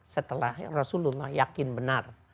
setelah rasulullah yakin benar